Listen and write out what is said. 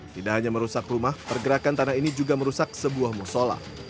tidak hanya merusak rumah pergerakan tanah ini juga merusak sebuah musola